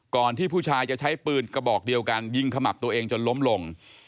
ที่ผู้ชายจะใช้ปืนกระบอกเดียวกันยิงขมับตัวเองจนล้มลง